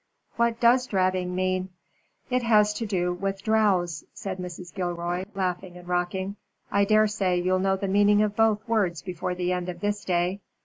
"What does drabbing mean?" "It has to do with drows," said Mrs. Gilroy, laughing and rocking. "I daresay you'll know the meaning of both words before the end of this day."